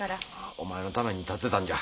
お前のためにたてたんじゃ。